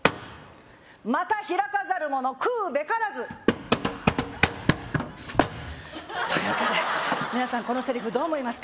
「股開かざる者食うべからず」というわけで皆さんこのセリフどう思いますか？